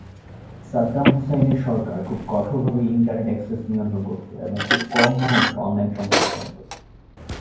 সাদ্দাম হুসাইনের সরকার খুব কঠোরভাবে ইন্টারনেট এক্সেস নিয়ন্ত্রণ করত, এবং খুব কম মানুষ অনলাইন সম্পর্কে জানত।